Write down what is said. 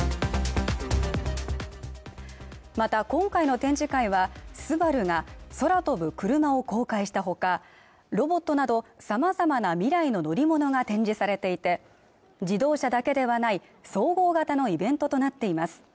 また今回の展示会はＳＵＢＡＲＵが空飛ぶクルマを公開したほかロボットなどさまざまな未来の乗り物が展示されていて自動車だけではない総合型のイベントとなっています